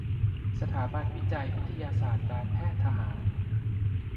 สถาบันวิจัยวิทยาศาสตร์การแพทย์ทหาร